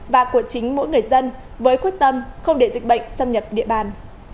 và của chính mỗi người dân với quyết tâm không để dịch bệnh xâm nhập địa bàn